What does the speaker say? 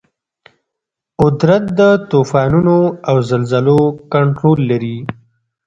قدرت د طوفانونو او زلزلو کنټرول لري.